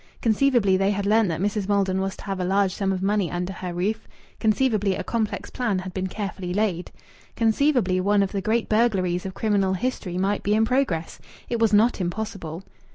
Conceivably they had learnt that Mrs. Maldon was to have a large sum of money under her roof. Conceivably a complex plan had been carefully laid. Conceivably one of the great burglaries of criminal history might be in progress. It was not impossible.